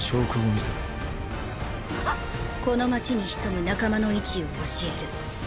この街に潜む仲間の位置を教える。ッ！！